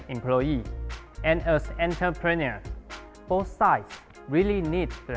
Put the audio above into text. di indonesia kami merasakan orang orang yang bekerja sebagai pekerja dan pembangunan